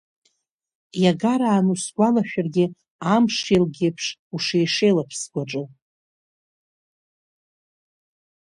Иагарааны усгәалашәаргьы амш еилга еиԥш ушеишеилап сгәаҿы.